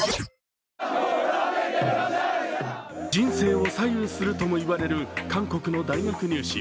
人生を左右するとも言われる韓国の大学入試。